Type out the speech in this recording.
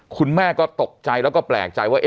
คุณแม่ก็ตกใจแล้วก็แปลกใจว่า